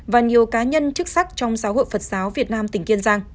và nhiều cá nhân chức sắc trong giáo hội phật giáo việt nam tỉnh kiên giang